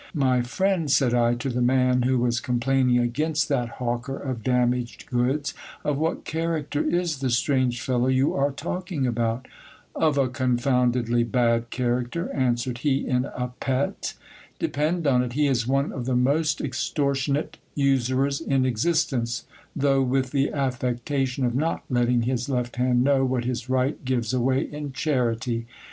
My friend, said I to the man who was complaining against that hawker of damaged goods, of what character is the strange fellow you are talking about ? Of a con foundedly bad character, answered he in a pet. Depend on it, he is one of the most extortionate usurers in existence, though with the affectation of not letting his left hand know what his right gives away in charity.